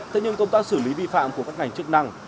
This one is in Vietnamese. thế nhưng công tác xử lý vi phạm của các ngành chức năng